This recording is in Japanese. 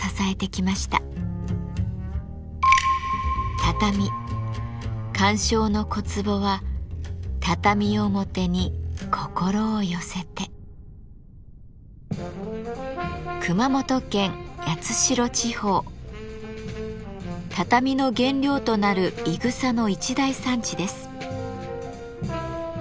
畳鑑賞の小壺は畳の原料となるいぐさの一大産地です。